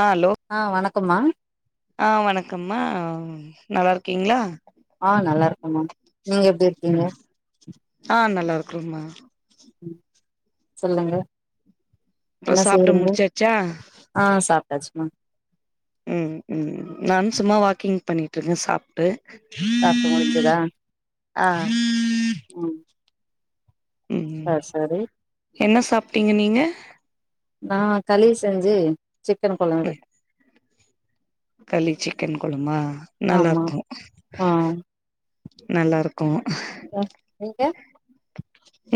ஆ hello ஆ வணக்கம்மா ஆ வணக்கம்மா நல்லா இருக்கீங்ளா ஆ நல்லா இருக்கம்மா நீங்க எப்டி இருக்கீங்க? ம் ஆ நல்லா இருக்குறோம்மா ம் சொல்லுங்க அப்றோ என்ன சாப்ட்டு செய்யறீங்க? முடிச்சாச்சா ஆ சாப்டாச்சுமா ம் ம் நானு சும்மா வாக்கிங் பண்ணிட்டு இருந்த சாப்ட்டு சாப்ட்டு முடிஞ்சதா ஆ ஒய் ம் ஆ சரி என்ன சாப்டீங்க நீங்க நா களி செஞ்சு சிக்கன் கொழம்பு களி சிக்கன் கொழம்பா ஆமா நல்லாருக்கு ஆ நல்லாருக்கு ஆ நீங்க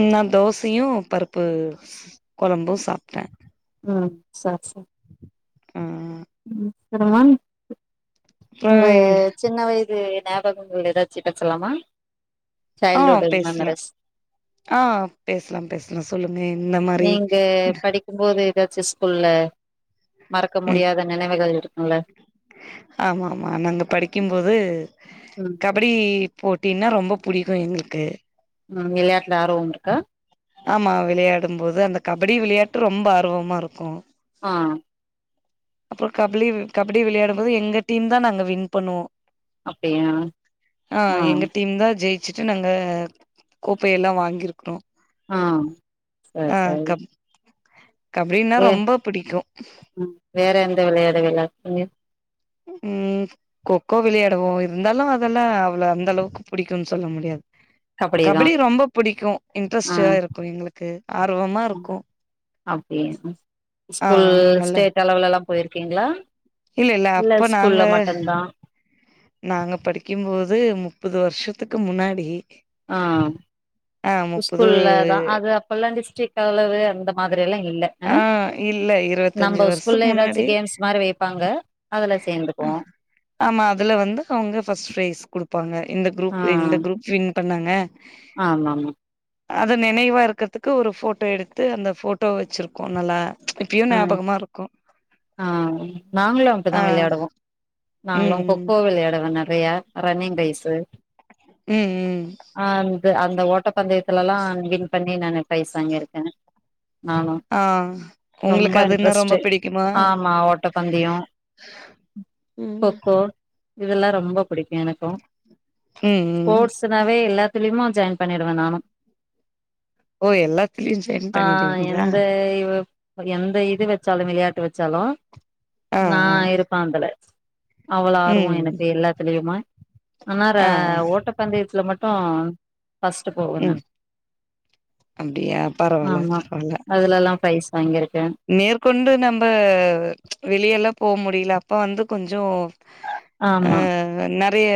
ம் நா தோசையு பருப்பு கொழம்பு சாப்டே ம் சார் ச ஆ அப்றோ உங்க சின்ன வயது நாப கங்கள் எதாச்சு பேசலாமா ஆ சைல்டுஹுட்டு பேசலா மெமரிஸ் ஆ பேசலா பேசலா சொல்லுங்க எந்ந மாரி க்கும் போது எதாச்சு ஸ்கூல்ல மறக்க முடியாத நெனவுகள் இருக்கும்ல ஆமாமா நாங்க படிக்கும்போது ம் க கபடி போட்டினா ரொம்ப புடிக்கு எங்ளுக்கு ம் விளையாட்டுல ஆர்வம் இருக்கா ஆமா விளையாடும் போது அந்த கபடி விளையாட்டு ரொம்ப ஆர்வமா இருக்கு ஆ அப்றோ கபலி கபடி விளையாடும்போது எங்க டீம்தா நாங்க வின் பண்ணுவோ அப்டியா அ ஆ எங்க டீம்தா ஜெய் ச்சுட்டு நாங்க கோப்பையலா வாங்கிருக்குறோ ஆ சார் சாரி கபடினா ரொம்ப புடிக்கு ம் வேற எந்த விளையாட விளயாடுனீங்க ம் கொக்கோ விளையாடுவோ இருந்தாலு அதெல்லா அவ்ளோ அந்த அளவுக்கு புடிக்குனு சொல்ல முடியாது கபடிதா கபடி ரொம்ப புடிக்கு ஆ இன்ட்ரெஸ்ட்டா இருக்கு எங்களுக்கு ஆர்வமா இருக்கு அப்டியா ஆ ஸ்போ நல்ல ஸ்டேட் அளவுலல்லா போயிருக்கீங்களா இல்ல ஸ்கூல்ல மட்டுந்தா நாங்க படிக்கும்போது முப்பது வருஷத்துக்கு முன்னாடி ஆ ஆ முப்பது ஸ்கூல்லதா அது அப்பல்லா டிஸ்ட்டிக் கவெலவு அந்த மாதிரி எல்லா இல்ல ஆ இல்ல இருவத்தஞ்சு நம்ப வருஷத்துக்கு ஸ்கூல்ல எதாச்சு முன்னாடி கேம்ஸ் மாரி வைப்பாங்க அதுல சேந்துக்குவோ ஆமா அதுல வந்து அவங்க ஃபஸ்ட் பிரைஸ் குடுப்பாங்க இந்த ஆ குரூப் இந்த குரூப் வின் பண்ணாங்க ஆமாமா அது நினைவா இருக்கறதுக்கு ஒரு போட்டோ எடுத்து அந்த போட்டோ வச்சிருக்கோனல்ல ம் அ நாங்களு ஆ அப்டிதா விளையாடுவோ நாங்களு ம் கொக்கோ விளையாடுவே நெறைய ரன்னிங் டேசு ம் ம் அந் அந்த ஓட்டப்பந்தயத்துலல்லா வின் பண்ணி நான் பிரைஸ் வாங்கியிருக்கே நானு ஆ ரொம்ப உங்களுக்கு அதுன்னா இன்ட்ரெஸ்ட் ரொம்ப பிடிக்குமா ஆமா ஓட்டப்பந்தயோ ம் கொக்கோ இதெல்லா ரொம்ப பிடிக்கு எனக்கு ம் ம் ஸ்போர்ட்ஸ் னாவே எல்லாத்துலயுமே ஜாயின் பண்ணிடுவே நானு ஓ எல்லாத்துலயு ஜாயின் ஆ பண்ணிடுவீங்களா எந்த இவப் எந்த இது வச்சாலு விளையாட்டு வச்சாலு ஆ நா ஆ இருப்பே அதுல அவ்வளோ ஆர்வோ ம் எனக்கு எல்லாத்துலயுமே ஆனா ர ஆ ஓட்ட பந்தயத்துல மட்டு ஃபர்ஸ்ட் ஆ ம் போகணும் அப்டியா பரவால்ல ஆமா பரவால்ல அதுலல்லா பிரைஸ் வாங்கியிருக்கே மேற்கொண்டு நம்ம வெளிய எல்லா போ முடில அப்ப வந்து கொஞ்சோ அ ஆமா நெறைய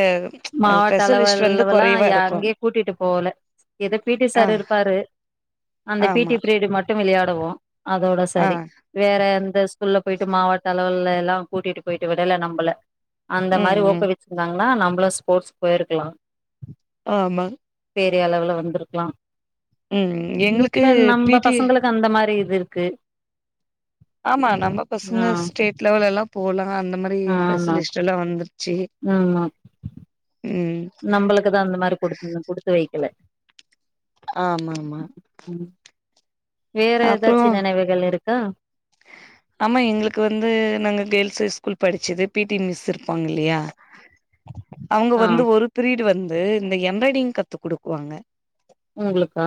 மாவட்ட ஸ்பெஷலிஸ்ட் வந்து அளவுளல்லா கொறைவா இருக்கு எங்கேயு கூட்டிட்டு போல எதோ பி டி ஆ சாரு இருப்பாரு அந்த பி ஆமா டி பிரீடு மட்டு விளையாடுவோ அதோட ஆ சரி வேற எந்த ஸ்கூல்ல போயிட்டு மாவட்ட அளவுலல்லா கூட்டிட்டு போயிட்டு விடல நம்மள அந்த ம் மாரி ம் ஊக்கவிச்சிருந்தாங்கன்னா நம்மளு ஸ்போர்ட்ஸ்க்கு போயிருக்கலா ஆமா பெரிய அளவுல வந்திருக்கலா ம் எங்களுக்கு இப்ப பி நம்ம டி பசங்களுக்கு அந்த மாரி இது இருக்கு ஆமா நம்ம ஆ பசங்க ஸ்டேட் லெவல் எல்லா போலா அந்த மாதிரி ஆமா பெசலிஸ்ட் எல்லா வந்துருச்சு ஆமா ம் நம்மளுக்குதா அந்த மாரி குடுத்து குடுத்து வைக்கல ஆமா ஆமா ம் வேற ஏதாச்சு நினைவுகள் இருக்கா ஹ [inaudible] ஆமா எங்களுக்கு வந்து நாங்க கேர்ள்ஸ் ஸ்கூல் படிச்சது பி டி மிஸ் இருப்பாங்க இல்லையா அவங்க ஆ வந்து ஒரு பீரியட் வந்து இந்த எம்ராய்டிங் கத்து குடுக்குவாங்க உங்களுக்கா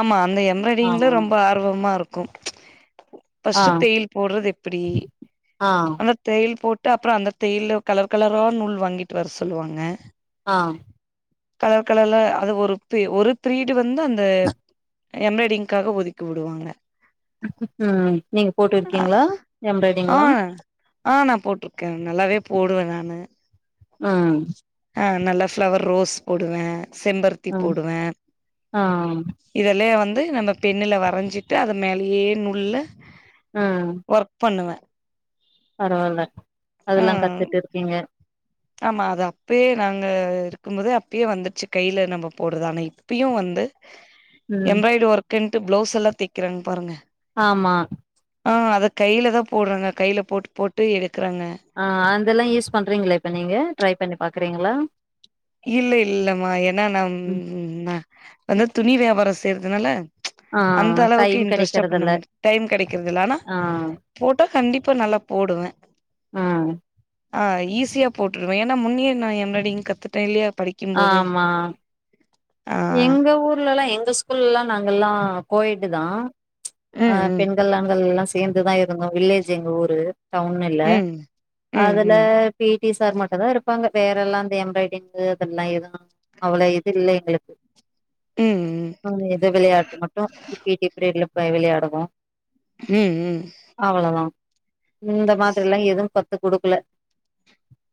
ஆமா அந்த ஆ எம்ராய்டிங்ல ரொம்ப ஆர்வமா இருக்கு ஆ ஃபர்ஸ்ட் தையல் போடுறது எப்படி ஆ அந்த தையல் போட்டு அப்பறோ அந்த தையல்ல கலர் கலரா நூல் வாங்கிட்டு வர சொல்லுவாங்க ஆ கலர் கலர்ல அது ஒரு ஒரு பிரீடு வந்து அந்த எம்ராய்டிங்க்காக ஒதுக்கி விடுவாங்க நீங்க போட்டு அ இருக்கீங்களா ஆ எம்ப்ராய்டிங்ல்லா ஆ நா போட்ருக்கே நல்லாவே போடுவே நானு ஆ ஆ நல்லா ஃபிளவர் ரோஸ் போடுவே செம்பருத்தி ம் போடுவே ஆ இதெல்லா வந்து நம்ம பென்னுல வரைஞ்சிட்டு அத மேலேயே நூல்ல ஆ ஒர்க் பண்ணுவே பரவால்ல ஆ அதெல்லா கத்துட்டு இருக்கீங்க ஆமா அது அப்பயே நாங்க இருக்கும் போதே அப்பயே வந்துருச்சு கைல நம்ம போடுறது ஆனா இப்பயு வந்து ம் எம்ராய்ட் ஒர்க்கன்ட்டு பிளவுஸ் எல்லா தைக்கிறாங்க பாருங்க ஆமா ஆ அத கைல தா போட்றாங்க கைல போட்டு போட்டு எடுக்குறாங்க ஆ அதெல்லா யூஸ் பண்ணுறீங்ள இப்ப நீங்க ட்ரை பண்ணி பாக்குறீங்களா இல்ல இல்லமா ஏனா நம் ம் ம வந்து துணி வியாபாரோ செய்ற்துனால ஆ அந்த அளவுக்கு டைம் இன்ட்ரெஸ்ட்டா பண்ண கெடைக்கறதில்ல மாட்ட டைம் கெடைக்கிறதில்ல ஆனா ஆ போட்டா கண்டிப்பா நல்லா போடுவ ம் ஆ ஈஸியா போட்ருவே ஏனா முன்னியே நா எம்பிராய்டிங் கத்துட்டே இல்லயா படி ஆமா ஆ எங்க ஊர்லலா எங்க ஸ்கூல்லா நாங்கெல்லா கோயட்டுதா ஆ ம் பெண் கள் ஆண்கள்லா சேர்ந்துதா இருந்தோ வில்லேஜ் எங்க ஊரு டவுன் இல்ல ம் ம் ம் அதுல ம் பி டி சார் மட்டுதா இருப்பாங்க வேறெல்லா இந்த எம்ப்ராய்டிங்கு அதெல்லா எது அவுளோ இது இல்ல எங்குளுக்கு ம் ம் எதோ விளையாட்டு மட்டு இந்த பி டி பீரிடுல போய் விளையாடுவோ ம் ம் அவளதா இந்த மாதிரிலா எதும் கத்து குடுக்குல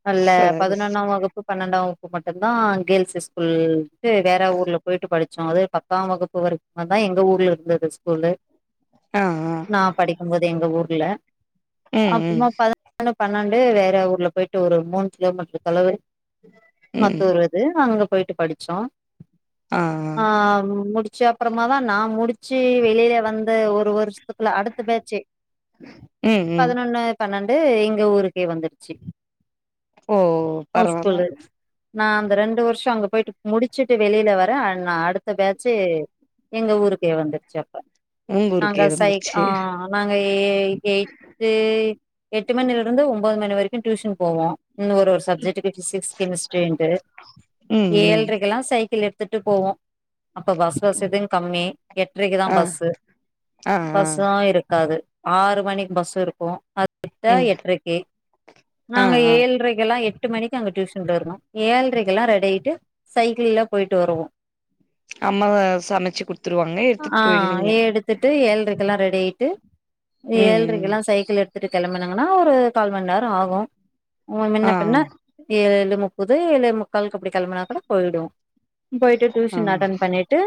அல்ல சரி ஸ் பதுனொன்னாம் வகுப்பு பன்னண்டா வகுப்பு மட்டுந்தான் கேள்ஸு ஸ்கூல்ன்ட்டு வேற ஊர்ல போய்ட்டு படிச்சோ அது பத்தாம் வகுப்பு வரைக்மதா எங்க ஊர்ல இருந்தது ஸ்கூல்லு ஆ ஆ நா படிக்குமோது எங்க ஊர்ல ம் ம் அப்புமா பது னொன்னு பன்னண்டு வேற ஊர்ல போய்ட்டு ஒரு மூண் கிலோமீட்ரு தொலவரி மா ம் தூரோ அது நாங்கா அங்க போய்ட்டு படிச்சோ ஆ முடி ச்சு அப்புறமாதா நா முடிச்சு வெளில வந்து ஒரு வருஷ்த்துக்குள்ள அடுத்த பேஜு ம் ம் பதினொன்னு பன்னண்டு எங்க ஊருக்கே வந்துருச்சு ஓ இனொர் பரவால்ல ஸகூல்லு நா அந்த ரெண்டு வருஷோ அங்க போய்ட்டு முடி சுட்டு வெளில வர அன் நா அடு த்த பேஜு எங்க ஊருக்கே வந்துர்ச்சு அப்ப உங்க நாங்க ஊருக்கே சைக்கு இருந்துச்சு ஆ நாங்க ஏ எய்ட்த்து எட்டு மணில இருந்து ஒன்பது மணி வரைக்கு டியூஷன் போவோ இன்னு ஒரு வர்ஷ் சப்ஜெக்டுக்கு பிசிக்ஸ் கெமிஸ்ட்ரீண்டு ம் ம் ஏழ்ரை கெலா சைக்கிள் எடுத்துட்டு போவோ அப்ப பஸ் வசதிங் கம்மி எட்ரைக்குதா ஆ பஸ்ஸு ஆ ஆ பஸ்ஸூ இருக்காது ஆறு மணிக் பஸ் இருக்கு அது விட்டா ம் எட்ரைக்கு ஆ நாங்க ஆ ஏழ்ரைகள்லா எட்டு மணிக்கு அங்க டியூஷன்ல இருந்தோ ஏழரைக்குலா ரெடி ஆய்ட்டு சைக்கிள்ள போய்ட்டு வருவோ அம்மா சமச்சு குடுத்துருவாங்க எடுத்துட் போய்ருவீங்க துட்டு ஏழ்ரைக்குலா ரெடி ஆய்ட்டு ம் ம் ஏழ்ரைக்குலா சைக்கிள் எட் துட்டு கெழம்புனங்கனா ஒரு கால் மண் நேரோ ஆகு ஊ மின்ன ஆ பின்ன ஏழு முப்பது ஏலே முக்கால்க்கு அப்டி கெழம்புனா கூட போய்டு போய்ட்டு ஆ டியூஷன் அட்டன் பண்ணிட்டு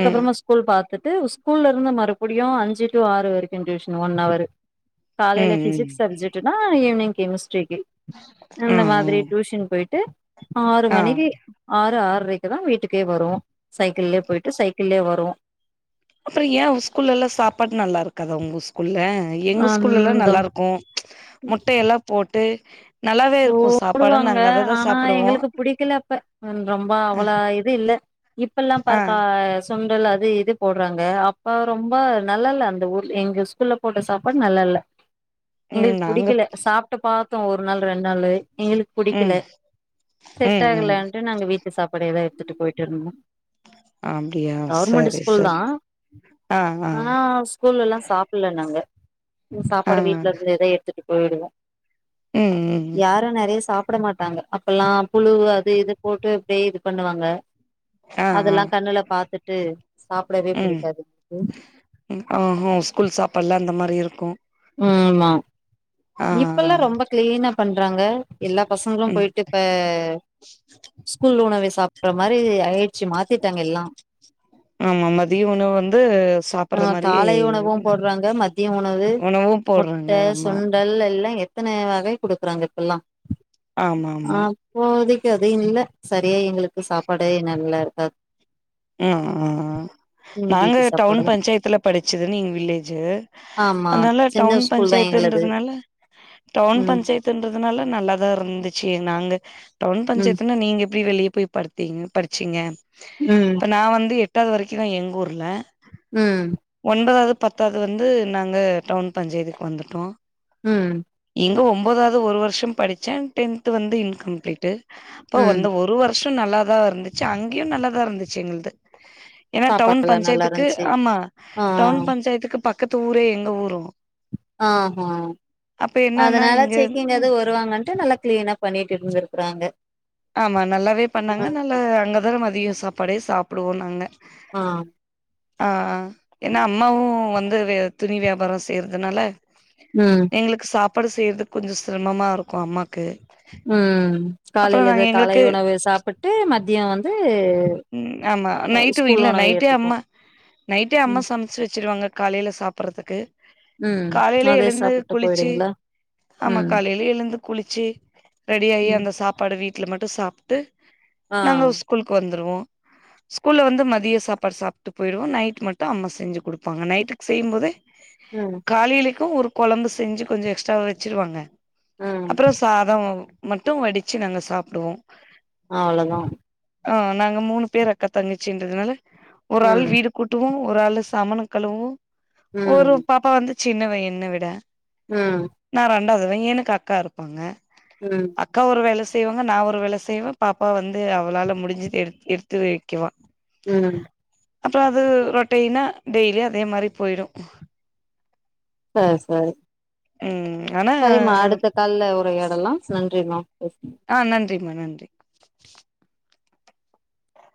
ம் ஸ் கூல் பாத்துட்டு ஸ்கூல்ல இருந்து மறுபுடியு அஞ்சு டூ ஆறு வரைக்குன் டியூஷன் ஒன் அவரு ம் காலேயல ம் பிசிக்ஸ் சப்ஜட்டு னா ஈவ்னிங் கெமிஸ்ட்ரிக்கு ஆ இந்த மாதிரி ம் டியூஷன் போய்ட்டு ஆறு ஆ மணிக்கு ஆறு ஆற்ரைக்குதா வீட்டுக்கே வரும் சைக்கிள்ளயே போயிட்டு சைக்கிள்ளயே வரும் அப்புறம் ஏ ஸ்கூல்லல்லா சாப்பாடு நல்லா இருக்காதா உங்க ஸ்கூல்ல எங்க ஸ்கூல்லல்லா நல்லா ம் இருக்கும் முட்ட எல்லாம் போட்டு நல்லாவே இருக்கு சாப்பாடு போடுவாங்க நாங்க அததா ஆனா சாப்பிடுவோ எங்களுக்கு புடிக்கல அப்ப ரொம்ப அ அவ்ளோ இது இல்ல இப்பல்லா ஆ பார்க்கா ஸ்கூ சுண்டல் அது இது போடுறாங்க அப்ப ரொம்ப நல்லா இல்ல அந்த ஊர் எங்க ஸ்கூல்ல போட்ட சாப்பாடு நல்லா இல்ல ம் எங்களுக்கு நாங்க புடிக்கில சா ப்ட்டு பாத்தோ ஒரு நாள் ரெண் நாளு எங்களுக்கு புடிக்கில ம் செட் ம் ம் ஆகலன்ட்டு நாங்க வீட்டு ட்டு சாப்பாடு எதா எடுத்துட்டு போயிட்டு இருந்தோ அப்டியா கவர்மெண்ட்டு சரி ஸ்கூல்தா சரி ஆ ஆ ஆனா ஸ்க் ஸ்கூல்லல்லா சாப்புல்ல நாங்க ம் ஆ சாப்பாடு ம் வீட்ல இருந்தேதா எடுத்துட்டு போயிடுவோ உம் உம் யாரும் நெறைய சாப்ட மாட்டாங்க அப்பல்லாம் புழு அது இது போட்டு அப்டியே இது பண்ணுவாங்க ஆ ஆ அதெல்லா கண்ணுல பாத்துட்டு சாப்டவே ம் புடிக்காது ம் ம் ஆ ஸ்கூல் சாப்பாடுலா அந்த மாதிரி இருக்கும் ம் ஆமா ஆ இப்பலாம் ரொம்ப கிளீனா பண்றாங்க எல்லா பசங்களும் ம் போயிட்டு இப்ப ஸ்கூல் உணவை சாப்டுற மாதிரி ஆயிடுச்சு மாத்திட்டாங்க எல்லாம் ஆமா மதிய உணவு வந்து ஆ சாப்டுற மாதிரி காலை உணவு போட்றாங்க மதிய உணவு முட்ட சுண்டல் எல்லாம் எத்தன வகை குடுக்குறாங்க இப்பல்லாம் ஆமா ஆமா ஆ இப்போதிக்கு அது இல்ல சரியா எங்களுக்கு சாப்பாடே நல்லா இருக்காது ம் ம் ம் ம் நாங்க வீட்டு டவுன் சாப்பாடுதா பஞ்சாயத்துல படிச்சதுன்னுங் வில்லேஜு ஆமா அதனால சின்ன டவுன் ஸ்கூல் தா எங்களது பஞ்சாயத்துன்றதுனால டவுன் ம் பஞ்சாயத் ன்றதுனால நல்லாதா இருந்துச்சு நாங்க டவுன் ம் பஞ்சாயத்துனா நீங்க எப்டி வெளிய போய் படுத்தீங்க படிச்சீங்க ம் இப்ப நா வந்து எட்டாவது வரைக்கிதா எங்க ஊர்ல உம் ஒன்பதாவது பத்தாவது வந்து நாங்க டவுன் பஞ்சாயத்துக்கு வந்துட்டோம் ம் இங்க ஒம்போதாவது ஒரு வருஷம் படிச்ச டென்த்து வந்து இன்கம்ப்ளீட்டு அப்ப ம் வந்து ஒரு வருஷம் நல்லாதா இருந்துச்சு அங்கியும் நல்லாதா இருந்துச்சு எங்ளுது ஏனா டவுன் சாப்பாடுல்லா நல்லா பஞ்சாயத்துக்கு இருந்துச்சு ஆமா ஆ டவுன் பஞ்சாயத்துக்கு பக்கத்து ஊரு எங்க ஊரும் ஆஹா என்னன்னா அதனால செக்கிங் இங்க எது வருவாங்கன்ட்டு நல்லா கிளீனா பண்ணிட்டு இருந்திருக்குறாங்க ஆமா நல்லாவே பண்ணாங்க நல்லா அங்கதா மதியம் சாப்பாடே சாப்புடுவோம் நாங்க ஆ ஆ ஆ ஏனா அம்மாவும் வந்து துணி வியாபாரம் செய்யறதுனால ம் எங்களுக்கு சாப்பாடு செய்யறது கொஞ்சம் சிரமமா இருக்கும் அம்மாக்கு ம் அப்றோ காலையில எது நாங்க காலை எங்களுக்கு உணவு சாப்பட் ட்டு மதியம் வந்து ம் ஆமா நைட்டு ஸ்கூல் இல்ல உணவை நைட்டே அம்மா ஏத்துக்கும் நைட்டே அம்மா சமச்சி வச்சிருவாங்க காலையில சாப்டுறதுக்கு ம் காலையில அதே எழுந்து சாப்பிட்டு குளிச்சு போயிடுவீங்களா ஆமா ம் காலையில எழுந்து குளிச்சு ரெடி ஆயி ம் அந்த சாப்பாட வீட்டுல மட்டு சாப்ட்டு ஆ நாங்க உஸ்கூலுக்கு வந்துருவோ ஸ்கூல்ல வந்து மதிய சாப்பாடு சாப்ட்டு போயிடுவோ நைட் மட்டு அம்மா செஞ்சு குடுப்பாங்க நைட்டுக்கு செய்யும் போதே ம் காலயிலைக்கு ஒரு கொழம்பு செஞ்சு கொஞ்ச எக்ஸ்ட்ராவா வச்சிருவாங்க ம் அப்றோ சா இதாவு மட்டு வடிச்சு நாங்க சாப்டுவோ அவ்ளோதா ஆ நாங்க மூணு பேர் அக்கா தங்கச்சின்றதனால ஒரு ஆள் ம் வீடு கூட்டவோ ஒரு ஆளு சாமண கழுவுவோ ஒரு ம் பாப்பா வந்து சின்னவ என்ன விட ம் நா ரெண்டாவதுவே எனக்கு அக்கா இருப்பாங்க ம் அக்கா ஒரு வேல செய்வாங்க நா ஒரு வேல செய்வே பாப்பா வந்து த்து அவளால முடிஞ்சது எடுத் எடுத்து வைக்குவா ம் அப்பறோ அது ரொட்டெய்னா டெய்லி அதே மாரி போய்ரு ஆ சரி ம் ம் ஆனா சரிம்மா அடுத்த கால்ல உரையாடலா நன்றிம்மா பே ஆ நன்றிம்மா நன்றி